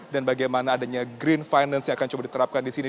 dan bagaimana adanya green finance yang akan coba diterapkan di sini